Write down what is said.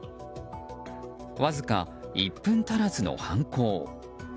わずか１分足らずの犯行。